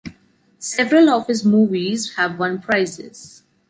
Several of his movies have won prizes.